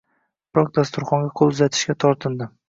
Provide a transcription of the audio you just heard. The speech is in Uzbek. Biroq dasturxonga qo`l uzatishga tortindim